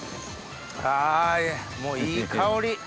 はぁもういい香り！